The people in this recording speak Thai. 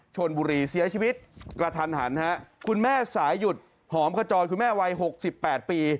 ชนบุรีเสียชีวิตกระทันหันฮะคุณแม่สายหยุดหอมขจรคุณแม่วัยหกสิบแปดปี